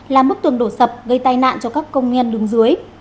làm bức tường đổ sập gây tai nạn cho các công nhân đứng dưới